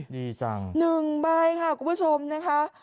๑ใบ๑ใบคุณผู้ชมนะคะ